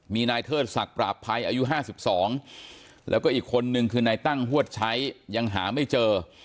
มีนายเทิดศักดิ์ปราบภัยอายุ๕๒แล้วก็อีกคนนึงคือนายตั้งฮวดใช้ยังหาไม่เจอ